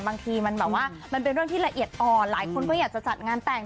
บางทีมันแบบว่ามันเป็นเรื่องที่ละเอียดอ่อนหลายคนก็อยากจะจัดงานแต่ง